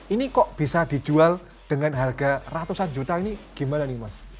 ini kok bisa dijual dengan harga ratusan juta ini gimana nih mas